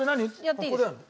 ここでやるの？